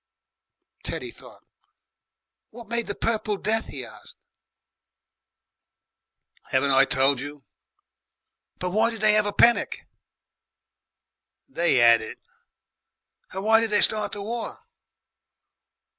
Teddy thought. "What made the Purple Death?" he asked. "'Aven't I tole you!" "But why did they 'ave a Penic?" "They 'ad it." "But why did they start the War?"